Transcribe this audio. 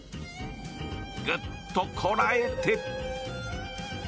ぐっとこらえて。